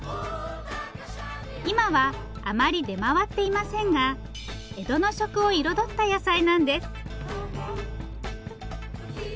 今はあまり出回っていませんが江戸の食を彩った野菜なんです。